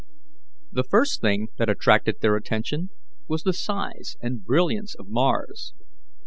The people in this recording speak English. The first thing that attracted their attention was the size and brilliance of Mars.